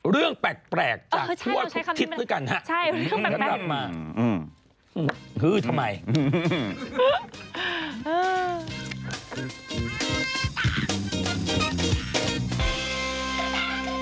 เรื่องแปลกจากทั่วทุกทิศด้วยกันฮะขนาดนั้นมาใช่ใช่คำนี้มันเป็นแปลก